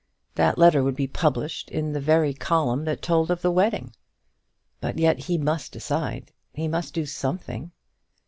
That letter would be published in the very column that told of the wedding. But yet he must decide. He must do something.